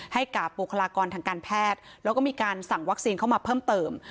ให้กับบุคลากรทางการแพทย์แล้วก็มีการสั่งวัคซีนเข้ามาเพิ่มเติม